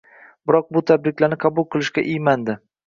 biroq u tabriklarni qabul qilishga iymandi.